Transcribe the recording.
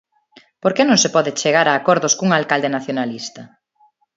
¿Por que non se pode chegar a acordos cun alcalde nacionalista?